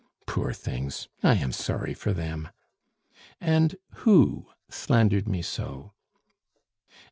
Poor things! I am sorry for them! "And who slandered me so?"